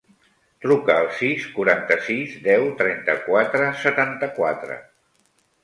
Truca al sis, quaranta-sis, deu, trenta-quatre, setanta-quatre.